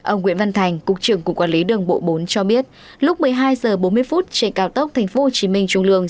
ông nguyễn văn thành cục trưởng cục quản lý đường bộ bốn cho biết lúc một mươi hai h bốn mươi trên cao tốc tp hcm trung lương